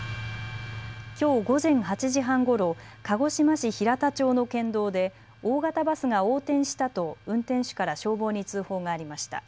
きょう午前８時半ごろ、鹿児島市平田町の県道で大型バスが横転したと運転手から消防に通報がありました。